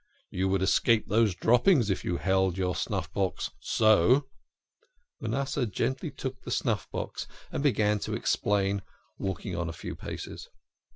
You would escape these droppings if you held your snuff box so " Manasseh gently took the snuff box and began to explain, walking on a few paces.